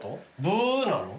ブーなの？